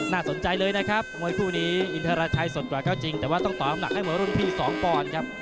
น่าสนใจเลยนะครับมวยคู่นี้อินทราชัยสดกว่าเขาจริงแต่ว่าต้องต่ออำนักให้หมวนพี่สองปอนครับ